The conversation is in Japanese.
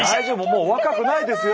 もう若くないですよ。